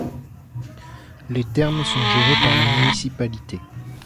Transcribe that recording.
Les thermes sont gérées par la municipalité.